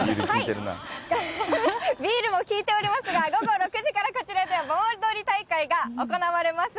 ビールも効いておりますが、午後６時からこちらでは盆踊り大会が行われます。